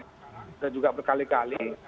sudah juga berkali kali